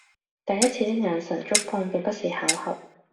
第一次的眼神觸碰並不是巧合